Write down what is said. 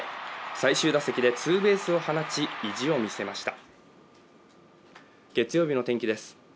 最終打席でツーベースを放ち意地を見せました。